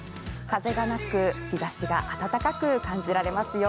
風がなく日ざしが暖かく感じられますよ。